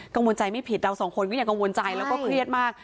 กังวลใจไม่ผิดเราสองคนก็ยังกังวลใจแล้วก็เครียดมาก